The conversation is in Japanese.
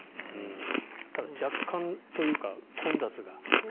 ただ、若干というか混雑が。